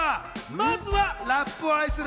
まずはラップを愛する